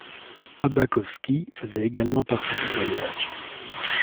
Abakovski faisait également partie du voyage.